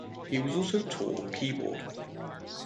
He was also taught keyboard.